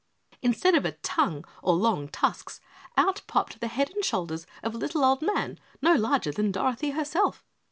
Instead of a tongue or long tusks, out popped the head and shoulders of a little old man no larger than Dorothy herself.